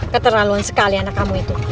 keterlaluan sekali anak kamu itu